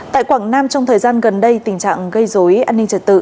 tại quảng nam trong thời gian gần đây tình trạng gây dối an ninh trật tự